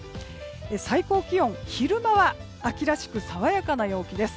最高気温、昼間は秋らしく爽やかな陽気です。